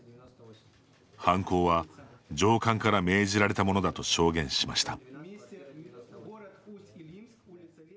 犯行は上官から命じられたものだと証言しました。